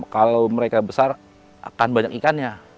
kalau mereka besar akan banyak ikannya